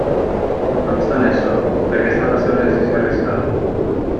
No obstant això, aquesta va ser una decisió arriscada.